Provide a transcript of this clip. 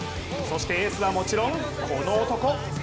そしてエースはもちろんこの男。